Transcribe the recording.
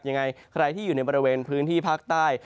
ยังไงใครที่อยู่ในบริเวณพื้นที่ภาคใต้